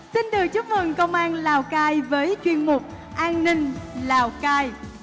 xin được chúc mừng công an lào cai với chuyên mục an ninh lào cai